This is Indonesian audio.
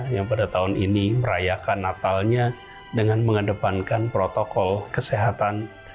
yang pada tahun ini merayakan natalnya dengan mengedepankan protokol kesehatan